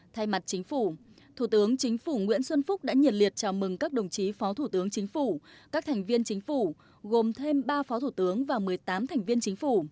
thay mặt chính phủ thủ tướng chính phủ nguyễn xuân phúc đã nhiệt liệt chào mừng các đồng chí phó thủ tướng chính phủ các thành viên chính phủ gồm thêm ba phó thủ tướng và một mươi tám thành viên chính phủ